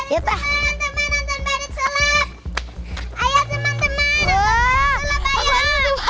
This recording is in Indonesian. ya bulannya jauh